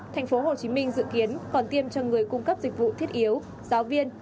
tp hcm dự kiến còn tiêm cho người cung cấp dịch vụ thiết yếu giáo viên